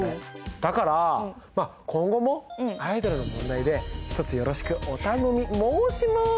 だからまあ今後もアイドルの問題でひとつよろしくお頼み申します。